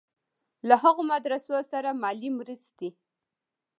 له هغو مدرسو سره مالي مرستې.